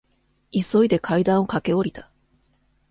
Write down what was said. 急いで階段を駆け下りた。